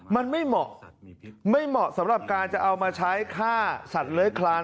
มันไม่เหมาะไม่เหมาะสำหรับการจะเอามาใช้ฆ่าสัตว์เลื้อยคลาน